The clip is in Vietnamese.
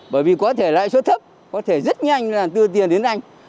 bởi vì có thể lãi suất thấp có thể rất nhanh là đưa tiền đến anh